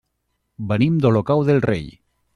Venim d'Olocau del Rei.